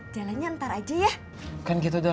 jalannya ntar aja ya